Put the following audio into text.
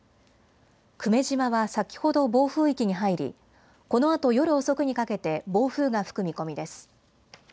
久米島は先ほど暴風域に入り、このあと夜遅くにかけて暴風が吹く見込みです。